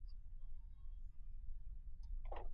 افغان زده کوونکي په اسانۍ سره بهرنۍ ویزې نه سي ترلاسه کولای.